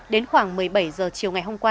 đến khoảng một mươi bảy h chiều ngày hôm qua